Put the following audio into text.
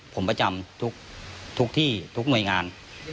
ผมประจำทุกที่ทุกหน่วยงาน